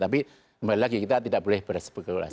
tapi kembali lagi kita tidak boleh berspekulasi